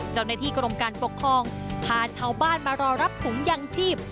เจ้าหน้าที่กรมการปกครองพาชาวบ้านมารอรับถุงยางชีพ